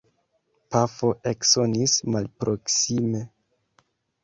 Pafo eksonis malproksime.